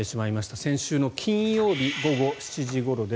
先週の金曜日午後７時ごろです。